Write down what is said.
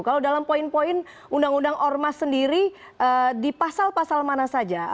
kalau dalam poin poin undang undang ormas sendiri di pasal pasal mana saja